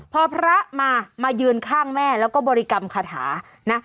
พอพระมามายืนข้างแม่แล้วก็บริกรรมคาถานะ